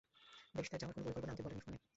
বেশ, তার যাওয়ার কোন পরিকল্পনা আমাকে বলেনি ফোন?